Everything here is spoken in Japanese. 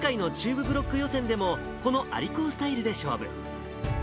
今回の中部ブロック予選でも、この蟻高スタイルで勝負。